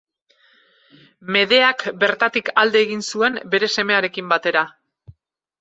Medeak bertatik alde egin zuen bere semearekin batera.